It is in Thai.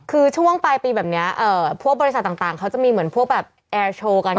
คือช่วงปลายปีแบบนี้พวกบริษัทต่างเขาจะมีเหมือนพวกแบบแอร์โชว์กัน